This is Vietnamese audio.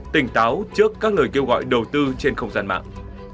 tỉnh táo trước các lời kêu gọi đầu tư trên không gian mạng